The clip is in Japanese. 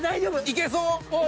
いけそう。